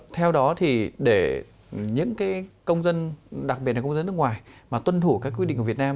theo đó thì để những công dân đặc biệt là công dân nước ngoài mà tuân thủ các quy định của việt nam